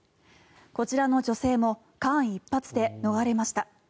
こちらの女性も間一髪で逃れました。